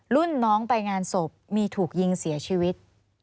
รุ่นน้องไปงานศพมีถูกยิงเสียชีวิต